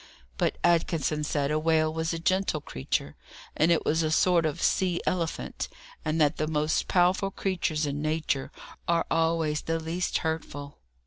But Atkinson said a whale was a gentle creature, and it was a sort of sea elephant, and that the most powerful creatures in Nature are always the least hurtful.